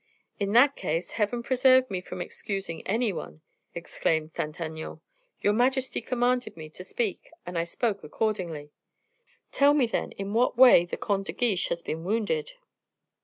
"In that case, Heaven preserve me from excusing any one!" exclaimed Saint Aignan. "Your majesty commanded me to speak, and I spoke accordingly." "Tell me, then, in what way the Comte de Guiche has been wounded?"